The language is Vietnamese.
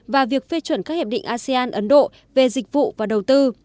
và việc phê chuẩn các hiệp định asean ấn độ về dịch vụ và đầu tư